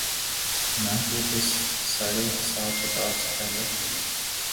نہ کہ اس سارے حساب کتاب سے پہلے۔